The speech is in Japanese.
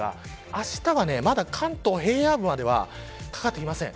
あしたは、まだ関東平野部まではかかりません。